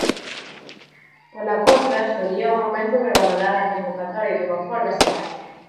Pola contra, sería o momento de valorar a convocatoria dunha Folga Xeral.